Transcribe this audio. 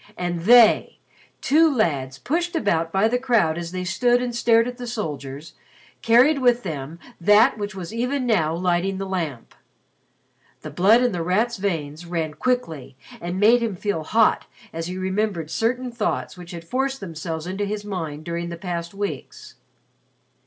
And they two lads pushed about by the crowd as they stood and stared at the soldiers carried with them that which was even now lighting the Lamp. The blood in The Rat's veins ran quickly and made him feel hot as he remembered certain thoughts which had forced themselves into his mind during the past weeks.